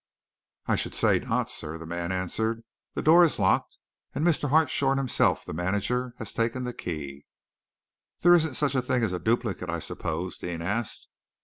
"I should say not, sir," the man answered. "The door is locked, and Mr. Hartshorn himself, the manager, has taken the key." "There isn't such a thing as a duplicate, I suppose?" Deane asked.